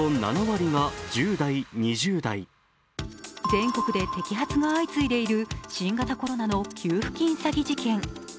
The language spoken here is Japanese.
全国で摘発が相次いでいる新型コロナの給付金詐欺事件。